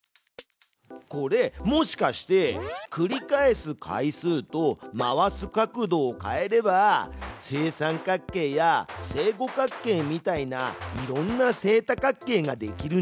これもしかして繰り返す回数と回す角度を変えれば正三角形や正五角形みたいないろんな正多角形ができるんじゃない？